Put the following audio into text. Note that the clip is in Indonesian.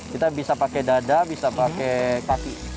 kita bisa pakai dada bisa pakai kaki